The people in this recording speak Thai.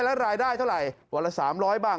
แล้วรายได้เท่าไหร่วันละ๓๐๐บ้าง